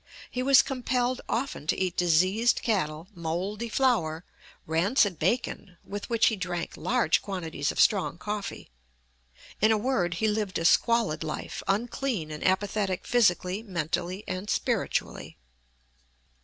He was compelled often to eat diseased cattle, mouldy flour, rancid bacon, with which he drank large quantities of strong coffee. In a word, he lived a squalid life, unclean and apathetic physically, mentally, and spiritually.